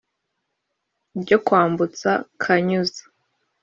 ryo kwambutsa kanyuza